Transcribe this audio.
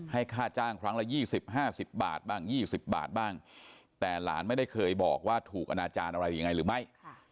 ค่าจ้างครั้งละ๒๐๕๐บาทบ้าง๒๐บาทบ้างแต่หลานไม่ได้เคยบอกว่าถูกอนาจารย์อะไรยังไงหรือไม่